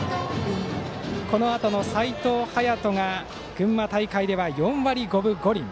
このあとの齋藤隼が群馬大会では４割５分５厘。